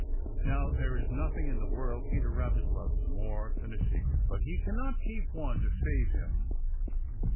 Now there is nothing in the world Peter Rabbit loves more than a secret. But he cannot keep one to save him.